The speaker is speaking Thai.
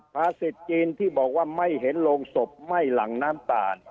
ภาษิตจีนที่บอกว่าไม่เห็นโลงศพไหม้หลังน้ำตาล